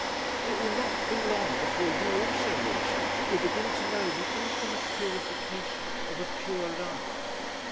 "It will not be long before you also, Lewisham, will begin to know the infinite purification of a Pure Love...."